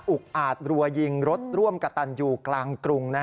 อุกอัดรัวยิงรถร่วมกระตันยูกลางกรุง